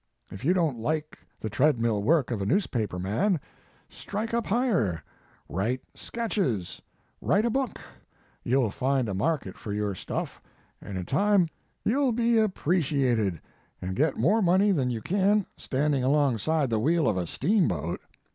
If you don t like the tread mill work of a newspaper man, strike up higher; write sketches, write a book; you ll find a market for your stuff, and in time you ll be appreciated and get more money than you can standing alongside the wheel of a steamboat.